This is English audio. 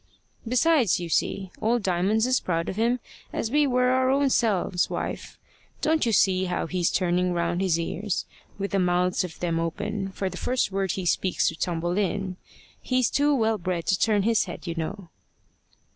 Besides, you see, old Diamond's as proud of him as we are our own selves, wife. Don't you see how he's turning round his ears, with the mouths of them open, for the first word he speaks to tumble in? He's too well bred to turn his head, you know."